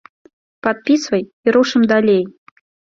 Падпісвай, і рушым далей!